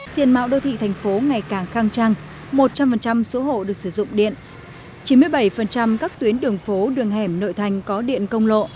diện mạo đô thị thành phố ngày càng khăng trăng một trăm linh số hộ được sử dụng điện chín mươi bảy các tuyến đường phố đường hẻm nội thành có điện công lộ